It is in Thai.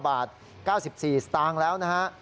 ๙๔บาทสตานกแล้วนะคะ